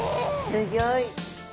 すギョい！